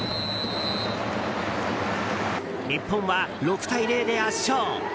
日本は６対０で圧勝。